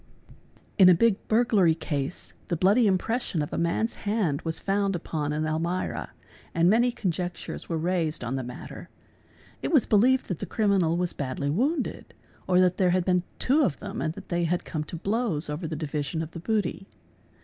— In a big burglary case the bloody impression of a man's hand was found upon an almirah and many conjectures were raised on the matter. It was believed that the criminal was badly wounded, or that there had been two of them and that they had come to blows over the division of the booty.